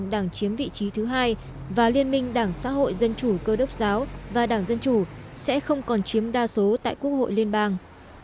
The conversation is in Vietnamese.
đảng chiếm vị trí thứ hai và liên minh đảng xã hội dân chủ cơ đốc giáo và đảng dân chủ sẽ không còn chiếm đa số tại quốc hội liên bang